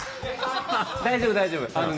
大丈夫大丈夫。